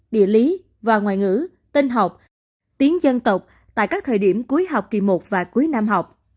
địa lý và ngoại ngữ tin học tiếng dân tộc tại các thời điểm cuối học kỳ một và cuối năm học